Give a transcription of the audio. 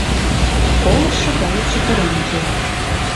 Колышо гае чытырен кият...